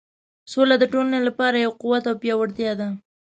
سوله د ټولنې لپاره یو قوت او پیاوړتیا ده.